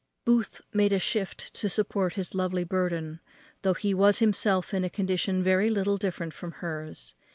Booth made a shift to support his lovely burden; though he was himself in a condition very little different from hers.